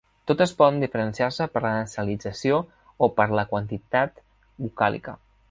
Totes poden diferenciar-se per la nasalització o per la quantitat vocàlica.